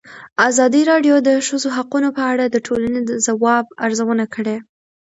ازادي راډیو د د ښځو حقونه په اړه د ټولنې د ځواب ارزونه کړې.